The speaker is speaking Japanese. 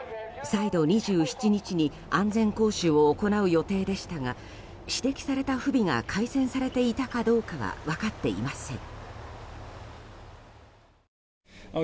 再度２７日に安全講習を行う予定でしたが指摘された不備が改善されていたかどうかは分かっていません。